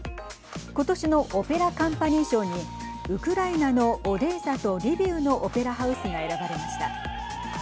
今年のオペラ・カンパニー賞にウクライナのオデーサとリビウのオペラハウスが選ばれました。